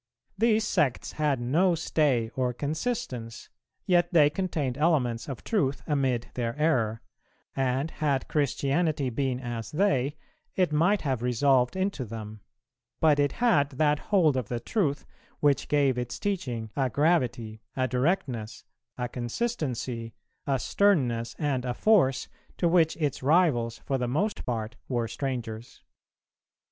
These sects had no stay or consistence, yet they contained elements of truth amid their error, and had Christianity been as they, it might have resolved into them; but it had that hold of the truth which gave its teaching a gravity, a directness, a consistency, a sternness, and a force, to which its rivals for the most part were strangers.